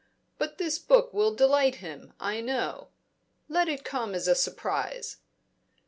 But this book will delight him, I know. Let it come as a surprise."